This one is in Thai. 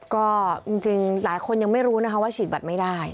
ก็จริงหลายคนยังไม่รู้นะคะว่าฉีกบัตรไม่ได้